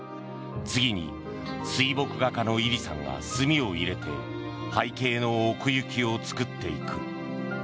次に、水墨画家の位里さんが墨を入れて背景の奥行きを作っていく。